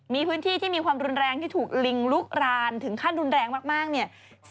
มีพื้นที่ที่มีความรุนแรงที่ถูกลิงลุกรานถึงขั้นรุนแรงมากเนี่ย